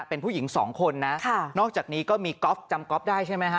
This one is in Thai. เป็นผู้หญิงสองคนนะนอกจากนี้ก็มีก๊อฟจำก๊อฟได้ใช่ไหมฮะ